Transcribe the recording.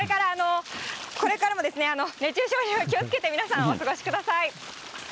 これからも熱中症には気をつけて皆さん、お過ごしください。